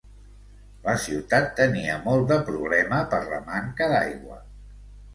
La ciutat tenia molt de problema per la manca d'aigua.